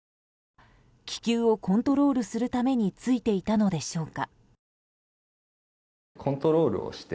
気球をコントロールするためについていたのでしょうか。